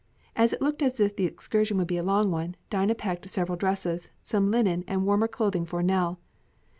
As it looked as if the excursion would be a long one, Dinah packed several dresses, some linen, and warmer clothing for Nell.